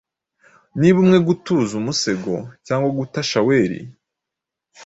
Niba umwegutuza umusego cyangwa guta shaweli